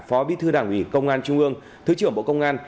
phó bí thư đảng ủy công an trung ương thứ trưởng bộ công an